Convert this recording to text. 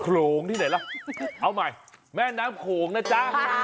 โลงที่ไหนล่ะเอาใหม่แม่น้ำโขงนะจ๊ะ